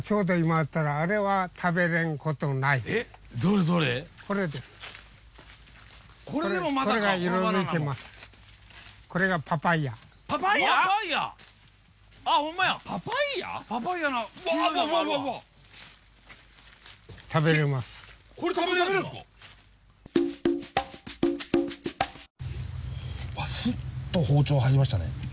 わっスッと包丁入りましたね。